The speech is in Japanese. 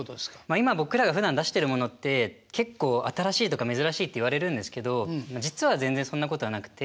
今僕らがふだん出してるものって結構新しいとか珍しいって言われるんですけど実は全然そんなことはなくて。